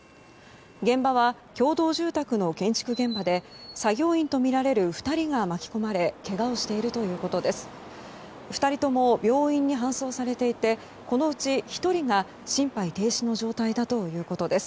現場は共同住宅の建築現場で作業員とみられる２人が巻き込まれけがをしているということです。